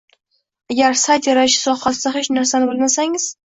Agar sayt yaratish sohasida hech narsani bilmasangiz